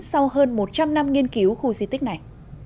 sau hơn một trăm linh năm nghiên cứu khu di tích này